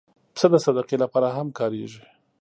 پسه د صدقې لپاره هم کارېږي.